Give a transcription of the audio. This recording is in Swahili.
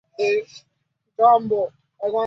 Wajibu kwa wema